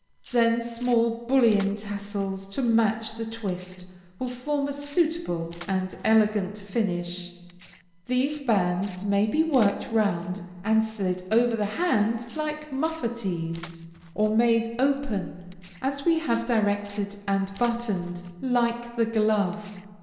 Then small bullion tassels to match the twist will form a suitable and elegant finish. These bands may be worked round and slid over the hand like muffatees, or made open as we have directed and buttoned, like the glove.